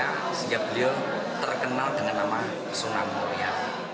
sehingga beliau terkenal dengan nama sunan muria